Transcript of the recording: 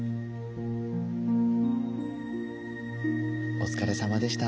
お疲れさまでした。